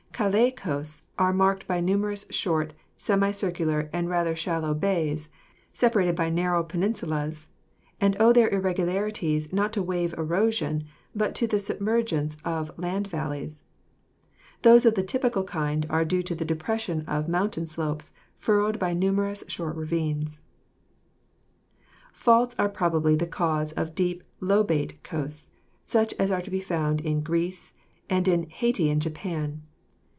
Calas Coasts are marked by numerous short, semi circu lar and rather shallow bays, separated by narrow peninsu las and owe their irregularities not to wave erosion, but to the submergence of land valleys; those of the typical kind are due to the depression of mountain slopes, furrowed by numerous short ravines. Faults are probably the cause of deep lobate coasts, such as are to be found in Greece and in Hayti and Japan.